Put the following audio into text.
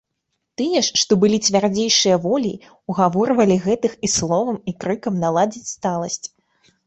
Тыя ж, што былі цвярдзейшыя воляй, угаворвалі гэтых і словам і крыкам наладзіць сталасць.